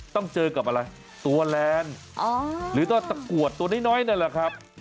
ต้องเจอกับอะไรตัวแลนด์หรือก็ตะกรวดตัวน้อยนั่นแหละครับ